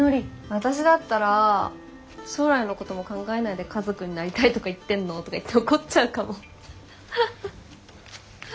私だったら「将来のことも考えないで家族になりたいとか言ってんの？」とか言って怒っちゃうかも？